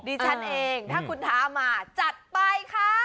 ดิฉันเองถ้าคุณท้ามาจัดไปค่ะ